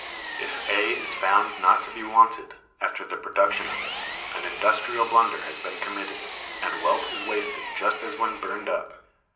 If A is found not to be wanted, after the production of it, an industrial blunder has been committed, and wealth is wasted just as when burned up.